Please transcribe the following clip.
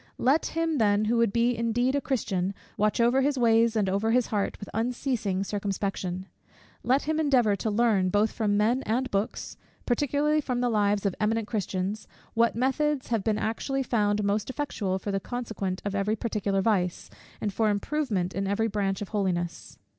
Let him then, who would be indeed a Christian, watch over his ways and over his heart with unceasing circumspection. Let him endeavour to learn, both from men and books, particularly from the lives of eminent Christians, what methods have been actually found most effectual for the conquest of every particular vice, and for improvement in every branch of holiness.